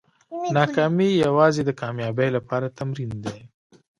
ناکامي یوازې د کامیابۍ لپاره تمرین دی.